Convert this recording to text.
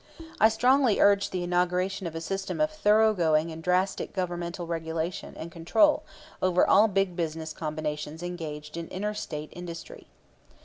I strongly urged the inauguration of a system of thoroughgoing and drastic Governmental regulation and control over all big business combinations engaged in inter State industry.